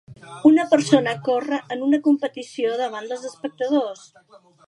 Una persona corre en una competició davant dels espectadors.